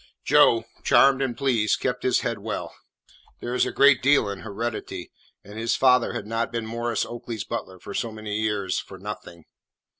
Joe, charmed and pleased, kept his head well. There is a great deal in heredity, and his father had not been Maurice Oakley's butler for so many years for nothing.